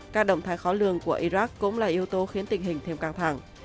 các động thái khó lường của iraq cũng là yếu tố khiến tình hình thêm căng thẳng